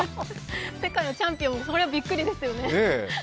世界のチャンピオンも、そりゃびっくりですよね。